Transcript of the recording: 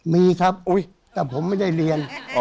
มีครับแต่ผมไม่ได้เรียน